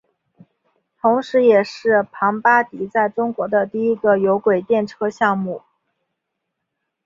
同时也是庞巴迪在中国的第一个有轨电车项目。